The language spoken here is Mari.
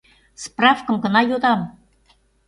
Справкым гына йодам...